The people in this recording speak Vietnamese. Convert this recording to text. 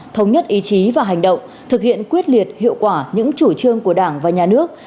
thống nhất ý chí và hành động thực hiện quyết liệt hiệu quả những chủ trương của đảng và nhà nước